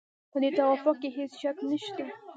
په دې توافق کې هېڅ شک نشته.